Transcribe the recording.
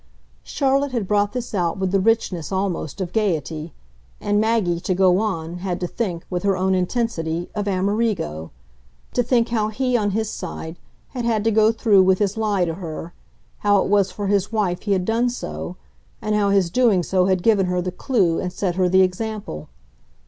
Charlotte had brought this out with the richness, almost, of gaiety; and Maggie, to go on, had to think, with her own intensity, of Amerigo to think how he, on his side, had had to go through with his lie to her, how it was for his wife he had done so, and how his doing so had given her the clue and set her the example.